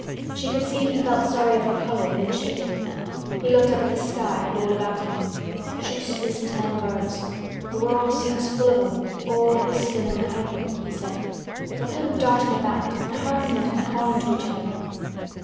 She could see he felt sorrier for Colin than she did. He looked up at the sky and all about him. "Just listen to them birds—th' world seems full of 'em—all whistlin' an' pipin'," he said. "Look at 'em dartin' about, an' hearken at 'em callin' to each other.